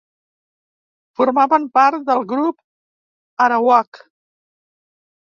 Formaven part del grup arawak.